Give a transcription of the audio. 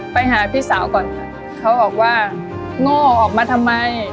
ไปหาพี่สาวก่อนเขาบอกว่าโง่ออกมาทำไม